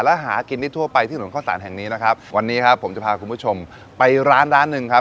และหากินได้ทั่วไปที่ถนนเข้าสารแห่งนี้นะครับวันนี้ครับผมจะพาคุณผู้ชมไปร้านร้านหนึ่งครับ